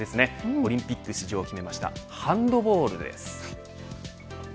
オリンピック出場を決めましたハンドボールです。